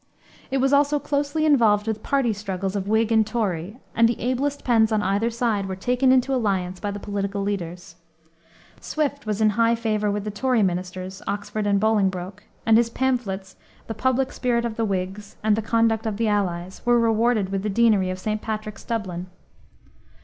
It was also closely involved with party struggles of Whig and Tory, and the ablest pens on either side were taken into alliance by the political leaders. Swift was in high favor with the Tory ministers, Oxford and Bolingbroke, and his pamphlets, the Public Spirit of the Whigs and the Conduct of the Allies, were rewarded with the deanery of St. Patrick's, Dublin.